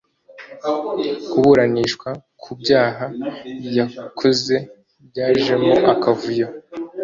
kuburanishwa ku byaha yakoze byajemo akavuyo